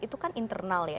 itu kan internal ya